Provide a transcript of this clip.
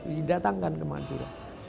didatangkan ke madura